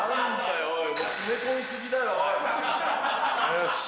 よし。